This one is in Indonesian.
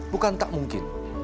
bukan tak mungkin